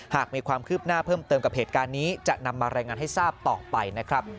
หากมีความคืบหน้าเพิ่มเติมกับเหตุการณ์นี้จะนำมารายงานให้ทราบต่อไปนะครับ